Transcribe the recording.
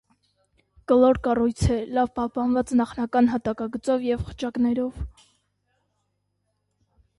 Կլոր կառույց է՝ լավ պահպանված նախնական հակատագծով և խճանկարներով։